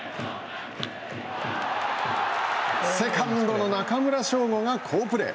セカンドの中村奨吾が好プレー。